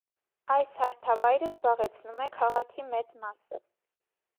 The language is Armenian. Այս հարթավայրը զբաղեցնում է քաղաքի մեծ մասը։